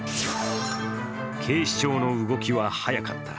警視庁の動きは早かった。